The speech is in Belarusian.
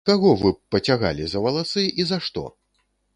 Каго вы б пацягалі за валасы, і за што?